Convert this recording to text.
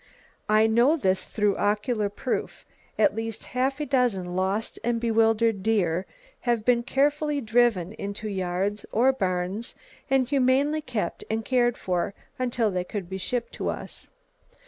I know this through ocular proof, at least half a dozen lost and bewildered deer having been carefully driven into yards, or barns, and humanely kept and cared for until they could be shipped to us.